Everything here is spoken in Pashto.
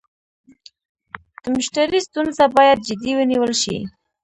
د مشتري ستونزه باید جدي ونیول شي.